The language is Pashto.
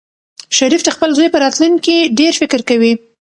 شریف د خپل زوی په راتلونکي ډېر فکر کوي.